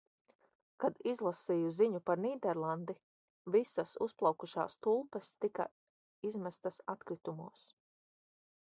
Kad izlasīju ziņu par Nīderlandi – visas uzplaukušās tulpes tika izmestas atkritumos.